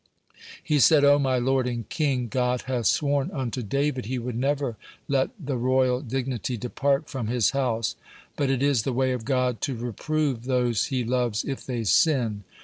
He said: "O my lord and king, God hath sworn unto David He would never let the royal dignity depart from his house, but it is the way of God to reprove those He loves if they sin.